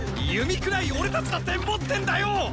弓くらい俺たちだって持ってんだよ！